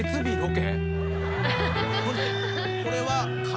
これは。